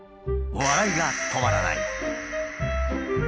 笑いが止まらない。